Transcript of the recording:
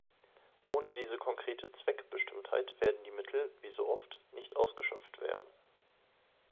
Ohne diese konkrete Zweckbestimmtheit werden die Mittel, wie so oft, nicht ausgeschöpft werden.